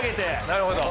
なるほど。